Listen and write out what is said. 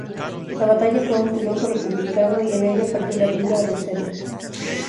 La batalla fue un triunfo republicano y en ella perdió la vida Rosete.